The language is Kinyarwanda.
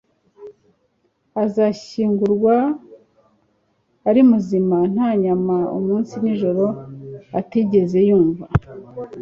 Azashyingurwa ari muzima nta nyama umunsi nijoro atigeze yumva